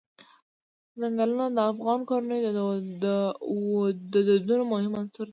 چنګلونه د افغان کورنیو د دودونو مهم عنصر دی.